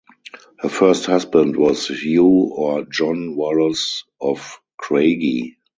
Her first husband was Hugh or John Wallace of Craigie.